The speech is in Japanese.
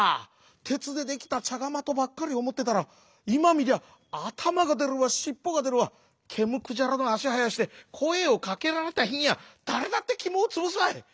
てつでできたちゃがまとばっかりおもってたらいまみりゃあたまがでるわしっぽがでるわけむくじゃらのあしはやしてこえをかけられたひにゃだれだってきもをつぶすわい。